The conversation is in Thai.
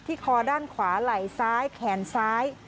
คอด้านขวาไหล่ซ้ายแขนซ้าย